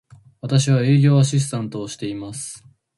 私は、営業アシスタントをしています。